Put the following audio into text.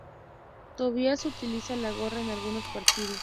Tobias, utiliza Gorra en algunos partidos.